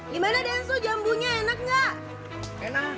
gimana denso jambunya enak gak